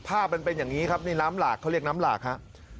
มันเป็นอย่างนี้ครับนี่น้ำหลากเขาเรียกน้ำหลากฮะ